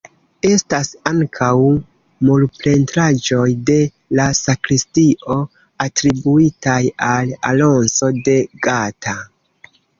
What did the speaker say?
Estas ankaŭ murpentraĵoj de la sakristio atribuitaj al Alonso de Gata.